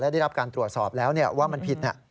ได้รับการตรวจสอบแล้วว่ามันผิด